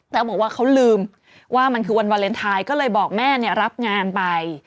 แล้วบอกว่าเขาลืมว่ามันคือวันวาเลนไทยก็เลยบอกแม่รับงานไป